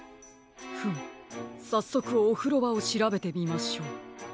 フムさっそくおふろばをしらべてみましょう。